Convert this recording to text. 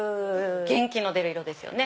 元気の出る色ですよね。